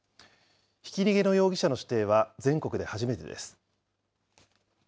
ひき逃げの容疑者の指定は全国で初めてです。